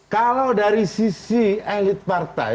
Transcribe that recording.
kalau dari sisi elit partai